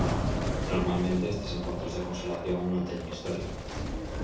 Normalmente, estes encontros de consolación non teñen historia.